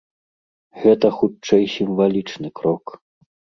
Гэта, хутчэй, сімвалічны крок.